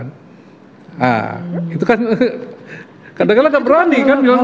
nah itu kan kadang kadang gak berani kan